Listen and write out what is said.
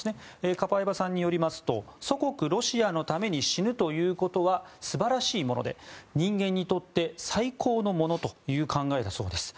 カパエバさんによりますと祖国ロシアのために死ぬということは素晴らしいもので人間にとって最高のものという考えだそうです。